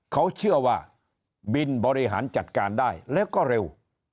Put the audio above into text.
เขาเชื่อว่าบินบริหารจัดการได้แล้วก็เร็ว